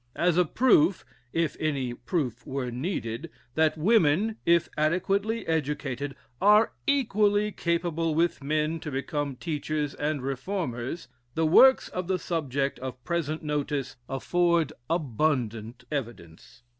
As a proof if any proof were needed that women, if adequately educated, are equally capable with men to become teachers and reformers, the works of the subject of present notice afford abundant evidence.